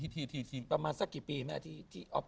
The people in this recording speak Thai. ประมาณสักกี่ปีไม่รู้ที่ออฟท์